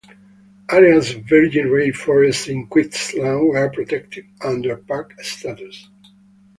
Areas of virgin rainforest in Queensland were protected under park status.